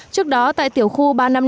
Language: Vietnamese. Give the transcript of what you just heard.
trước đó tại tiểu khu ba trăm năm mươi năm